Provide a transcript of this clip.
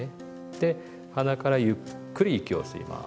で鼻からゆっくり息を吸います。